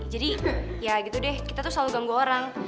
jadi ya gitu deh kita tuh selalu ganggu orang